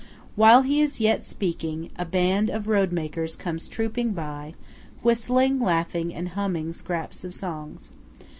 While he is yet speaking, a band of road makers comes trooping by, whistling, and laughing, and humming scraps of songs.